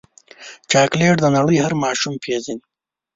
چاکلېټ د نړۍ هر ماشوم پیژني.